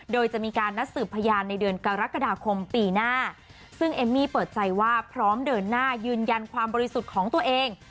โดยจะมีการนัดสืบพยานในเดือนกรกฎาคมปีหน้าซึ่งเอมมี่เปิดใจว่าพร้อมเดินหน้ายืนยันความบริสุทธิ์ของตัวเอง